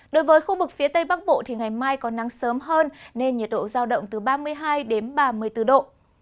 đối với khu vực phía tây bắc bộ thì ngày mai có nắng sớm hơn nên nhiệt độ giao động từ ba mươi hai đến ba mươi bốn độ